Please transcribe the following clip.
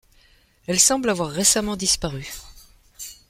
Elle semble avoir récemment disparu.